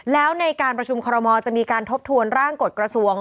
แล้วในการประชุมคอรมอลจะมีการทบทวนร่างกฎกระทรวง